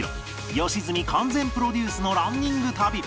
良純完全プロデュースのランニング旅